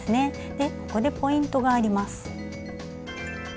でここでポイントがあります。